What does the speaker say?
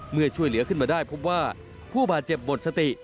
เมื่อช่วยเหลือขึ้นมาได้พบว่าผู้บาดเจ็บหมดสติ